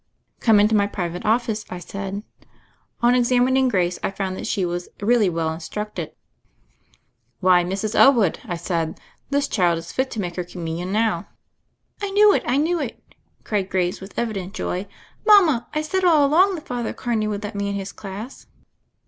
"Come into my private office," I said. On examining Grace I found that she was really well instructed. 140 THE FAIRY OF THE SNOWS "Why, Mrs. Elwood," I said, "this child is fit to make her Communion now." "I knew it — I knew it," cried Grace with evi dent joy. "Mama, I said all along that Father Carney would let me in his class."